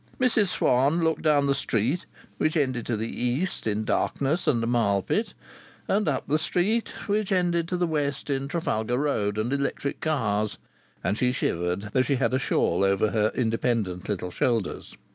Mrs Swann looked down the street, which ended to the east in darkness and a marl pit, and up the street, which ended to the west in Trafalgar Road and electric cars; and she shivered, though she had a shawl over her independent little shoulders.